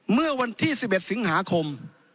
เมื่อวันที่สิบเอ็ดสิงหาคม